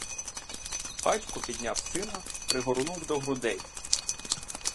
Батько підняв сина, пригорнув до грудей.